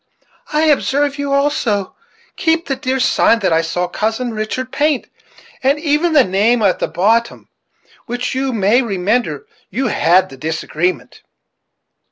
I observe you also keep the dear sign that I saw Cousin Richard paint; and even the name at the bottom, about which, you may remember, you had the disagreement."